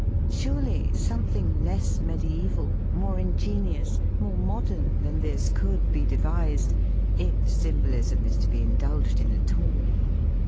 Surely, something less mediaeval, more ingenious, more mod ern than this could be devised — if sym bolism is to be indulged in at all